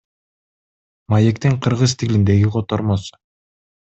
Маектин кыргыз тилиндеги котормосу.